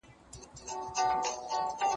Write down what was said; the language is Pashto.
که لومړۍ ورځ يې پر غلا واى زه ترټلى